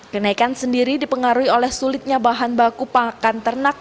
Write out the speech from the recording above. kenaikan sendiri dipengaruhi oleh sulitnya bahan baku pakan ternak